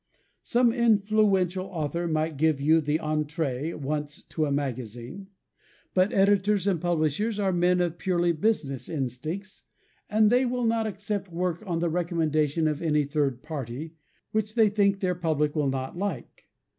Some influential author might give you the entreé once to a magazine. But editors and publishers are men of purely business instincts, and they will not accept work on the recommendation of any third party, which they think their public will not like.